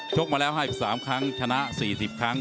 กมาแล้ว๕๓ครั้งชนะ๔๐ครั้ง